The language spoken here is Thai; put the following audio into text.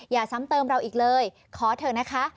อย่าซ้ำเติมเราอีกเลยขอเถอะนะคะ